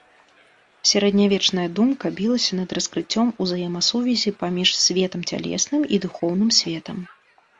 Сярэднявечная думка білася над раскрыццём ўзаемасувязі паміж светам цялесным і духоўным светам.